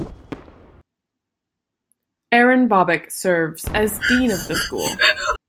Aaron Bobick serves as dean of the school.